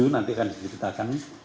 nanti akan dititahkan